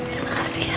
terima kasih bursa